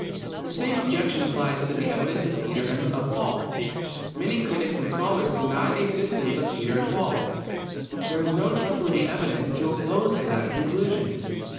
The same objection applies to the evidence of Peter and of Paul. Many critics and scholars deny the existence of Peter and Paul. There is no trustworthy evidence to oppose to that conclusion.